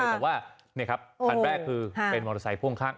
แต่ว่านี่ครับคันแรกคือเป็นมอเตอร์ไซค่วงข้าง